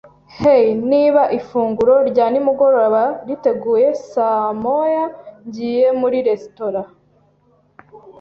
Hey, niba ifunguro rya nimugoroba rititeguye saa moya, ngiye muri resitora.